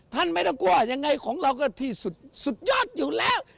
ไม่ต้องกลัวยังไงของเราก็ที่สุดยอดอยู่แล้ว